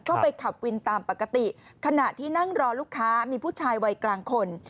ก็ไปขับวินตามปกติขณะที่นั่งรอลูกค้ามีผู้ชายวัยกลางคน